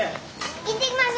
行ってきます！